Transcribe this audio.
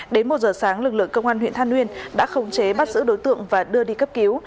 đến một giờ sáng lực lượng công an huyện than uyên đã không chế bắt giữ đối tượng và đưa đi cấp cứu